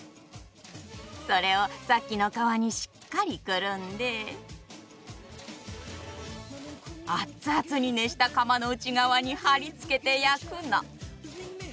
それをさっきの皮にしっかりくるんでアッツアツに熱した窯の内側に貼り付けて焼くの。